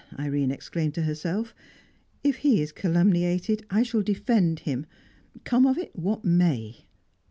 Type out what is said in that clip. Irene exclaimed to herself. "If he is calumniated, I shall defend him, come of it what may!"